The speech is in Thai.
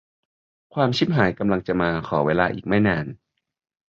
ความชิบหายกำลังจะมา ขอเวลาอีกไม่นาน